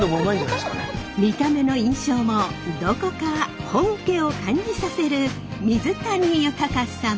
見た目の印象もどこか本家を感じさせる水谷豊サマ。